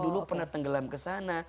dulu pernah tenggelam kesana